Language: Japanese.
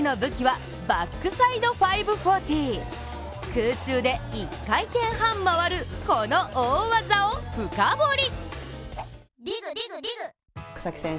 空中で１回転半回る、この大技を深掘り。